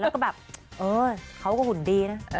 แล้วก็แบบเออเขาก็หุ่นดีนะ